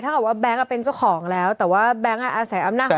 ถ้าว่าแบงค์เป็นเจ้าของแล้วแต่ว่าแบงค์อาศัยอำนาจของกรมบังคับคดี